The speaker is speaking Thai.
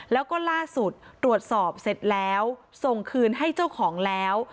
แล้วก็ล่าสุดตรวจสอบเสร็จแล้วส่งคืนให้เจ้าของแล้ว